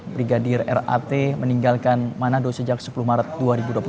brigadir rat meninggalkan manado sejak sekolah